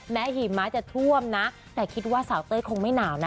หิมะจะท่วมนะแต่คิดว่าสาวเต้ยคงไม่หนาวนะ